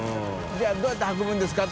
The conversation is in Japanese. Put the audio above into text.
「じゃあどうやって運ぶんですか？」